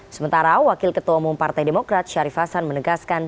sementara wakil ketua umum partai demokrat syarif hasan menegaskan